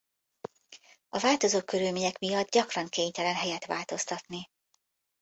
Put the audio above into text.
A változó körülmények miatt gyakran kénytelen helyet változtatni.